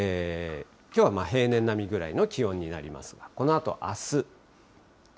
きょうは平年並みぐらいの気温になりますが、このあとあす。